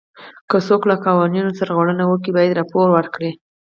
که څوک له قوانینو سرغړونه وکړي باید راپور ورکړي.